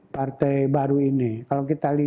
pertanyaan yang saya ingin mengatakan adalah